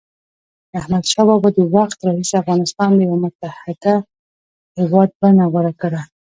د احمدشاه بابا د وخت راهيسي افغانستان د یوه متحد هېواد بڼه غوره کړه.